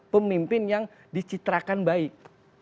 pemimpin yang dicitrakan baik